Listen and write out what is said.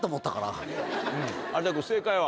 有田君正解は？